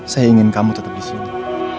saya ingin kamu tetep disini